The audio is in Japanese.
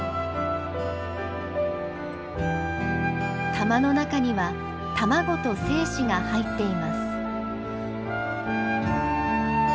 玉の中には卵と精子が入っています。